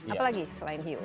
apa lagi selain hiu